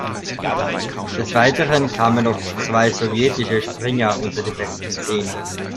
Des Weiteren kamen noch zwei sowjetische Springer unter die besten Zehn.